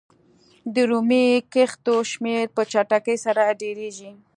د رومي کښتیو شمېر په چټکۍ سره ډېرېږي.